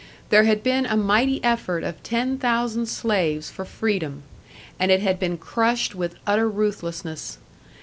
There had been a mighty effort of ten thousand slaves for freedom; and it had been crushed with utter ruthlessness.